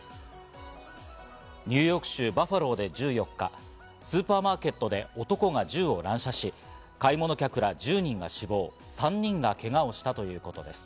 ニューヨーク州バファローで１４日、スーパーマーケットで男が銃を乱射し、買い物客ら１０人が死亡、３人がけがをしたということです。